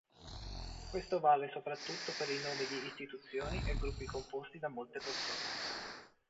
Questo vale soprattutto per i nomi di istituzioni e gruppi composti da molte persone.